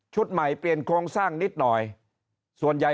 ใหม่เปลี่ยนโครงสร้างนิดหน่อยส่วนใหญ่